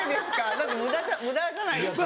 だって無駄じゃないですか。